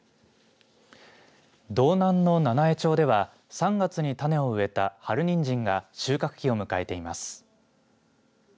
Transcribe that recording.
道南の七飯町では３月に種を植えた、春にんじんが収穫期を迎えています。